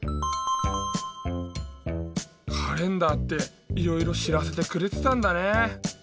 カレンダーっていろいろしらせてくれてたんだね。